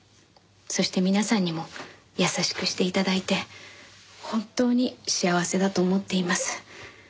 そして皆さんにも優しくして頂いて本当に幸せだと思っています。